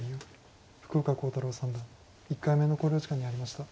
福岡航太朗三段１回目の考慮時間に入りました。